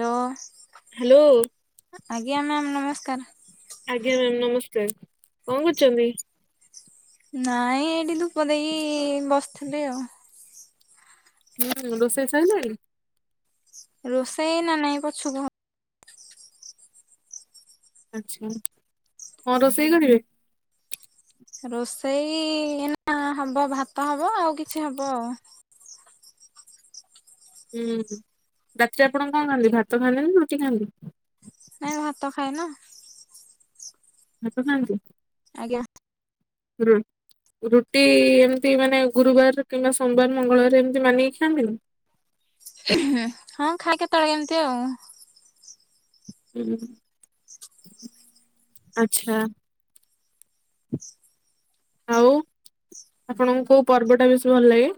Hello. Hello. ଆଜ୍ଞା ma'am ନମସ୍କାର୍। ଆଜ୍ଞା ମ୍ୟାମ୍ ନମସ୍କାର୍। କଣ କରୁଛନ୍ତି? ନାଇଁ ଏଇଠି ଧୂପ ଦେଇକି ବସିଥିଲି ଆଉ। ହୁଁ ରୋଷେଇ ସଇଲାଣି? ରୋଷେଇ ନା ନାଇଁ ପଛୁ କୁ ହ ଆଛା। କଣ ରୋଷେଇ କରିବେ? ରୋଷେଇ ଏନା ହବ ଭାତ ହବ ଆଉ କିଛି ହବ ଆଉ। ହୁଁ ରାତିରେ ଆପଣ କଣ ଖାଆନ୍ତି ଭାତ ଖାଆନ୍ତି ନା ରୁଟି ଖାଆନ୍ତି? ନାଇଁ ଭାତ ଖାଏ ନା। ଭାତ ଖାଆନ୍ତି? ଆଜ୍ଞା। ରୁ। ରୁଟି ଏମିତି ମାନେ ଗୁରୁବାର କିମ୍ବା ସୋମବାର, ମଙ୍ଗଳବାର ଏମିତି ମାନିକି ଖାଆନ୍ତିନି। ହଁ ଖାଏ କେତେବେଳେ କେମିତି ଆଉ। ହୁ ଆଚ୍ଛା। ଆଉ ଆପଣଙ୍କୁ କୋଉ ପର୍ବ ଟା ବେଶୀ ଭଲ ଲାଗେ?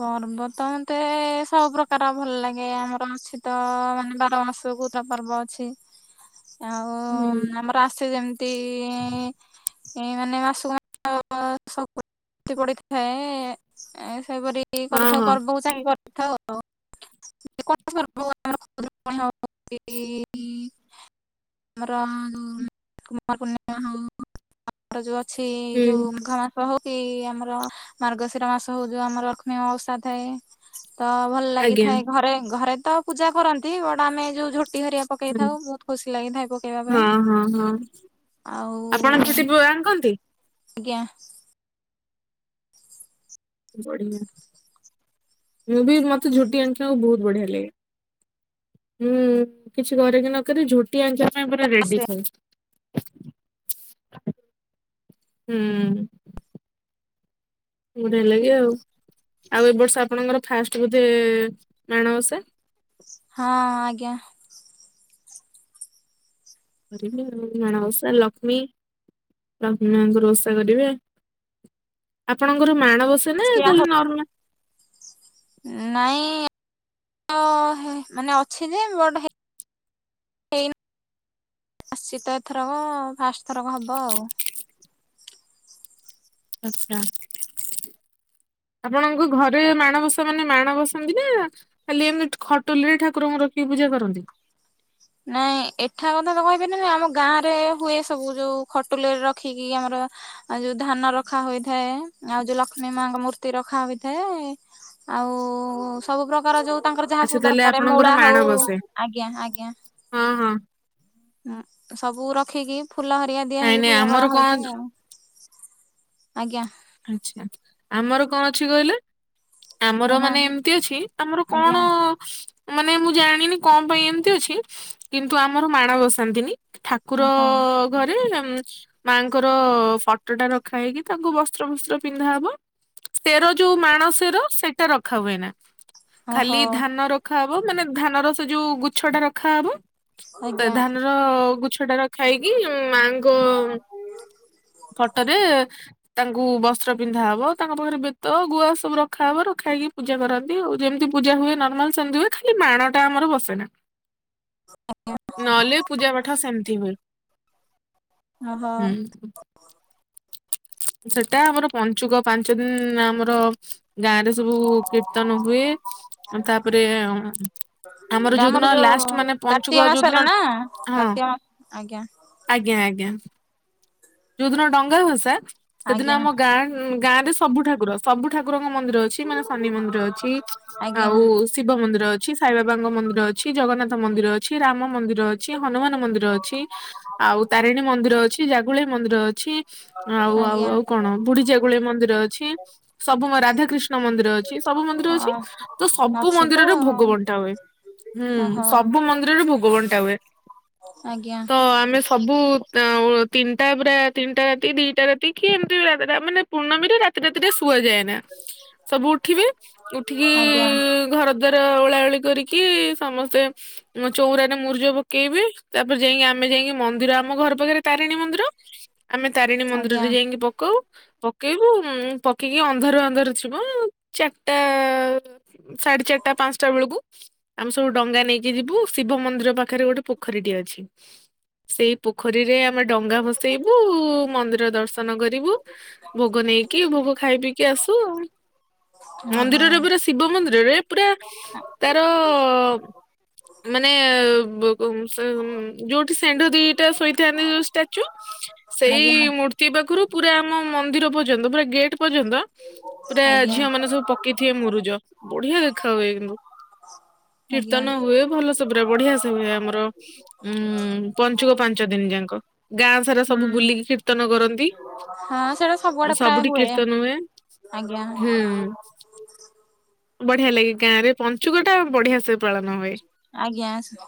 ପର୍ବ ତ ମତେ ସବୁ ପ୍ରକାର ଭଲ ଲାଗେ। ଆମର ଅଛି ତ ମାନେ ବାର ମାସକୁ ଟ ପର୍ବ ଅଛି। ଆଉ ହୁଁ ଆମର ଆସେ ଯେମିତି ଏଇ ମାନେ ମାସୁୁ [unintelligible] ଖ ପଡ଼ିଥାଏ ସେହିପରି ହଁ କରିଥାଉ ହଁ ପର୍ବକୁ ଚାହି କରିଥାଉ ଆଉ। ସ [unintelligible] ଆମର କୁମାର ପୂର୍ଣ୍ଣିମା ହଉ ଆମର ଯୋଉ ଅଛି ହୁଁ ଯୋଉ ମୁଘ ମାସ ହଉ କି ଆମର ମାର୍ଗଶିର ମାସ ହୋଉ ଯୋଉ ଆମର ମ ଓଷା ଥାଏ। ତ ଭଲ ଆଜ୍ଞା ଲାଗିଥାଏ ଘରେ, ଘରେ ତ ପୂଜା କରନ୍ତି। ବଟ୍ ଆମେ ଯୋଉ ଝୋଟିି ହରିଆ ହୁଁ। ପକେଇଥାଉ ବୋହୁତ୍ ଖୁସି ଲାଗିଥାଏ ପକେଇବା ପାଇଁ। ହଁ ହଁ ହଁ ଆପଣ ଆଉ, ଝୋଟି ଆଙ୍କନ୍ତି? ଆଜ୍ଞା। ବଢି ମୁଁ ବି ମତେ ଝୋଟି ଆଙ୍କିବାକୁ ବୋହୁତ୍ ବଢିଆ ଲାଗେ। ହୁଁ କିଛି କରେ କି ନ କରେ ଝୋଟି ଆଙ୍କିବା ପାଇଁ ପୁରା ରେଡି ହଁ ଥାଏ। ହୁଁ। ବଢ଼ିଆ ଲାଗେ ଆଉ। ଆଉ ଏ ବର୍ଷ ଆପଣଙ୍କର ଫାଷ୍ଟ ବୋଧେ ମାଣବସା? ହଁ ହଁ, ଆଜ୍ଞା। କରିବେ ମାଣ ଓଷା ଲକ୍ଷ୍ମୀ, ଲକ୍ଷ୍ମୀ ମାଙ୍କର ଓଷା କରିବେ। ଆପଣଙ୍କର ମାଣବସା ନା ଅଛି ଆହୁ ଖାଲି ନର୍ମାଲ। ନାଇଁ। ଓ ମାନେ ଅଛି ଯେ ମୋଟ ହେ। ଇ ଆସିଛି ତ ଏଥରକ ଫାଷ୍ଟ ଥରକ ହବ ଆଉ। ଆଚ୍ଛା। ଆପଣଙ୍କ ଘରେ ମାଣବସା ମାନେ ମାଣବସନ୍ତି ନା। ଖାଲି ଏମିତି ଖଟୁଲି ରେ ଠାକୁରଙ୍କୁ ରଖିକି ପୂଜା କରନ୍ତି। ନାଇଁ ଏଠା କଥା ତ କହିପାରିନେ ନା ଆମ ଗାଁ ରେ ହୁଏ ସବୁ ଯୋଉ ଖଟୁଲରେ ରଖିକି ଆମର। ଆଉ ଯୋଉଁ ଧାନ ରଖା ହୋଇଥାଏ ଆଉ ଯୋଉ ଲକ୍ଷ୍ମୀ ମାଙ୍କ ମୂର୍ତ୍ତି ରଖା ହୋଇଥାଏ। ଆଉ ସବୁ ପ୍ରକାର ଯୋଉଁ ତାଙ୍କର ଯାହା ଆଚ୍ଛା ସବୁ ତାହେଲେ ଦରକାର ଆପଣଙ୍କର ମୂଳା ମାଣ ହଉ ବସେ ଆଜ୍ଞା ଆଜ୍ଞା। ହଁ ହଁ। ହଁ ସବୁ ରଖିକି ଫୁଲ ହରିଆ ଦିଆ ନାଇଁ ହେଇକି ନାଇଁ ପୂଜା ଆମର କଣ କରାହୋଈଥାଏ ଆଉ। ଆଜ୍ଞା। ଆଚ୍ଛା ଆମର କଣ ଅଛି କହିଲେ। ଆମର ମାନେ କହୁନାହାନ୍ତି ଏମିତି ଅଛି ଆମର କଣ। ଆଜ୍ଞା ମାନେ ମୁଁ ଜାଣିନି କଣ ପାଇଁ ଏମତି ଅଛି କିନ୍ତୁ ଆମର ମାଣ ବସାନ୍ତିନି। ଠାକୁର ଓହୋ ଘରେ ମାଙ୍କର ଫଟୋ ଟା ରଖା ହେଇକି ତାଙ୍କୁ ବସି। ବସ୍ତ୍ର ବସ୍ତ୍ର ପିନ୍ଧା ହବ ସେର ଯୋଉଁ ମାଣସେର ସେଇଟା ରଖା ହୁଏ ନା। ଖାଲି ଓହୋ ଧାନ ରଖାହବ ମାନେ ଧାନର ସେ ଯୋଉଁ ଗୁଚ୍ଛ ଟା ରଖାହବ। ତ ଆଜ୍ଞା ଧାନର ଗୁଛ ଟା ର। ଖାଇକି ମାଙ୍କ ଫୋଟରେ। ତାଙ୍କୁ ବସ୍ତ୍ର ପିନ୍ଧା ହବ ତାଙ୍କ ପାଖରେ ବେତ ଗୁଆ ସବୁ ରଖାହବ ରଖା ହେଇକି ପୂଜା କରାଯିବ। ଆଉ ଯେମିତି ପୂଜା ହୁଏ ନର୍ମାଲ ସେମିତି ହୁଏ ଖାଲି ମାଣ ଟା ଆମର ବସେ ନାହି [unintelligible] ନହେଲେ ପୂଜା ପାଠ ସେମିତି ହୁ ଓହୋ। ହୁଁ। ସେଟା ଆମର ପଞ୍ଚୁକ ପାଞ୍ଚ ଦିନ ଆମର। ଗାଁ ରେ ସବୁ କୀର୍ତ୍ତନ ହୁଏ ତାପରେ। ଆମର ଏଟା ଯୋଉଁଦିନ ଯୋଉ ଲାଷ୍ଟ ମାନେ କାର୍ତ୍ତିକ ପଞ୍ଚୁକ ମାସରେ ଯୋଉଦିନ ନା ହଁ। କାର୍ତ୍ତିକ ମାସ ଆଜ୍ଞା ଆଜ୍ଞା ଆଜ୍ଞା ଯୋଉଦିନ ଡଙ୍ଗା ଭସା। ସେଦିନ ଆଜ୍ଞା ଆମ ଗାଁ ଗାଁ ରେ ସବୁ ଠାକୁର ସବୁ ଠାକୁରଙ୍କ ମନ୍ଦିର ଅଛି। ଅଛି ମାନେ ଶନି ମନ୍ଦିର ଅଛି ଆଉ। ଆଜ୍ଞା। ଶିବ ମନ୍ଦିର ଅଛି ସାଇବାବାଙ୍କ ମନ୍ଦିର ଅଛି ଜଗନ୍ନାଥ ମନ୍ଦିର ଅଛି ରାମ ମନ୍ଦିର ଅଛି। ଅଛି ହନୁମାନ ମନ୍ଦିର ଅଛି ଆଉ ତାରିଣୀ ମନ୍ଦିର ଅଛି ଜାଗୁଳିେଇ ମନ୍ଦିର ଅଛି। ଆଉ ଆଉ ଆଜ୍ଞା ଆଉ କଣ ବୁଢିଜାଗୁଳି ମନ୍ଦିର ଅଛି ସବୁ ମ ରାଧାକୃଷ୍ଣ। କଷ୍ଣ ମନ୍ଦିର ଅଛି ସବୁ ମନ୍ଦିର ଅ ଅଛି ତ ସବୁ ଅଛି ତ ମନ୍ଦିରରେ ଭୋଗ ବଣ୍ଟା ହୁଏ। ହୁଁ ଓହୋ ସବୁ ମନ୍ଦିରରେ ଭୋଗବଟା ହୁଏ ଆଜ୍ଞା ତ ଆମେ। ସବୁ ତିନିଟା ପୁରା ତିନିଟା ରାତି ଦିଟା ରାତି। କି ଏମିତି ବି ରା ମାନେ ପୂର୍ଣ୍ମରେ। ପୂର୍ଣ୍ଣିମ ଟାତିଟେ ଶୁଆଯାଏନା ସବୁ ଉଠିବେ ଉଠିକି ଆଜ୍ଞା ଘର। ଘର ଓଳାଓଳି କରିକି ସମସ୍ତେ। ମଁ ଚଉରାରେ ମୁର୍ଜ ପକେଇବି ତାପରେ ଯାଇକି ଆମେ ଯାଇକି ମନ୍ଦିର ଆମ ଘର ପାଖରେ ତାରିଣୀ ମନ୍ଦିର। ଆମେ ତାରିଣୀ ଆଜ୍ଞା ମନ୍ଦିରରେ ଯାଇକି ପକାଉ। ପକେଇବୁ ପକେଇକି ଅନ୍ଧାର ଅନ୍ଧାର ଯିବ ଚାରିଟା। ସାଢେ ଚାରିଟା ପାଞ୍ଚଟା ବେଳକୁ। ଆମେ ସବୁ ଡଙ୍ଗା ନେଇକି ଯିବୁ ଶିବ ମନ୍ଦିର ପାଖରେ ଗୋଟେ ପୋଖରୀଟି ଅଛି। ସେଇ ପୋଖରୀରେ ଆମେ ଡଙ୍ଗା ଭସେଇବୁ ମନ୍ଦିର ଦର୍ଶ ନ କରିବୁ ଭୋଗ ନେଇକି ଭୋଗ ଖାଇ ପିଇକି ଆସୁ ଆଉ ଓହୋ ମନ୍ଦିରରେ ପୁରା ଶିବ ମନ୍ଦିରରେ ପୁରା ତାର ମାନେ ବୋ ବୋ ସୋମ ଯୋଉ ସେଣ୍ଢ ଦିଟା ଶୋଇଥାନ୍ତି ଯୋଉ ଷ୍ଟାଚୁ ସେଇ ଆଜ୍ଞା ମୂର୍ତ୍ତ ତି ପାଖରୁ ପୁରା ଆମ ମନ୍ଦିର ପର୍ଯ୍ୟନ୍ତ ପୁରା ଗେଟ୍ ପର୍ଯ୍ୟନ୍ତ ପୁରା ଆଜ୍ଞା ଝିଅ ମାନେ ସବୁ ପ କି ଥିବେ ମୁରୁଜ ବଢିଆ ଦେଖା ହୁଏ କିନ୍ତୁ ଆଜ୍ଞା କୀର୍ତ୍ତନ ହୁଏ ଭଲ ପୁରା ବଢିଆ ସେ ହୁଏ ଆମର ଉ ପଞ୍ଚୁକ ପାଞ୍ଚ ଦିନ ଯାକଁ। ଗାଁ ସାରା ହୁଁ ସବୁ ବୁଲିକି କୀର୍ତ୍ତନ କରନ୍ତି। ହଁ ସେଇଟା ସବୁଆଡେ ପ୍ରାୟ ସବୁଠି କୀର୍ତ୍ତନ ହୁଏ ଆଜ୍ଞା ହୁଁ। [unintelligible] ବଢିଆ ଲାଗେ ଗାଁ ରେ ପଞ୍ଚୁକ ଟା ବଢିଆ ସେ ପାଳନ ହୁଏ। ଆଜ୍ଞା ସ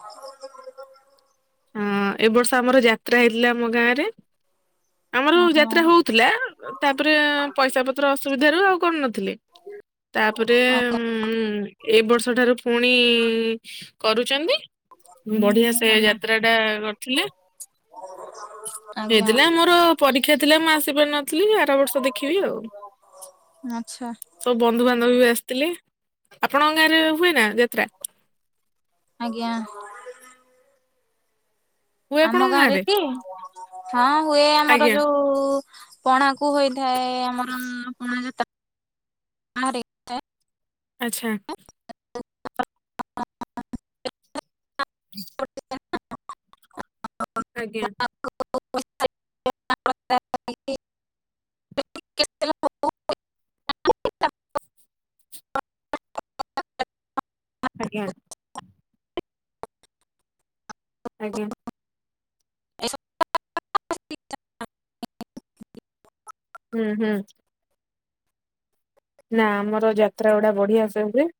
ହଁ ଏ ବର୍ଷ ଆମର ଯାତ୍ରା ହେଇଥିଲା ଆମ ଗାଁ ରେ। ଆମର ଓହୋ ଯାତ୍ରା ହଉଥିଲା ତାପରେ ପଇସା ପତ୍ର ଅସୁବିଧାରୁ ଆଉ କରୁନ ଥିଲେ ତାପରେ ଆଜ୍ଞା ଉଁ ଏଇ ବର୍ଷ ଠାରୁ ପୁଣି କରୁଛନ୍ତି ବଢିଆ ସେ ଆଜ୍ଞା ଯାତ୍ରା ଟା କରିଥିଲେ। ଆଜ୍ଞା ହେଇଥିଲା ମୋର ପରୀକ୍ଷା ଥିଲା ମୁଁ ଆସିପାରିନଥିଲି ଆର ବର୍ଷ ଦେଖିବି ଆଉ। ଆଛା। ସବୁ ବନ୍ଧୁବାନ୍ଧବ ବି ଆସିଥିଲେ ଆପଣଙ୍କ ଗାଁରେ ହୁଏ ନା ଯାତ୍ରା। ଆଜ୍ଞା ହୁ ହୁଏ ଆମ ଆପଣଙ୍କ ଗାଁରେ କି ହଁ ହୁଏ ଆମର ଆଜ୍ଞା ଯୋଉ ପଣା କୁ ହୋଇଥାଏ ଆମର ପଣା ଯାତ ଆରେ। ଆଚ୍ଛା। [unintelligible] ଆଜ୍ଞା। [unintelligible] [unintelligible] ଆଜ୍ଞା। ଆଜ୍ଞା। ହୁଁ ହୁଁ। ନା ଆମର ଯାତ୍ରା ଗୁଡା ବଢିଆ ସେ ହୁଏ।